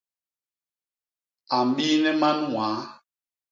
A mbiine man ñwaa.